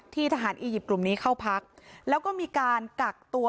ทหารอียิปต์กลุ่มนี้เข้าพักแล้วก็มีการกักตัว